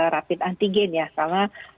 rapid antigen ya karena